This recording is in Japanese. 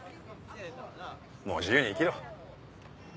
もう自由に生きろ。